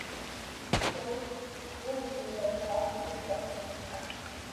多人数だけは許すわけにはいかん！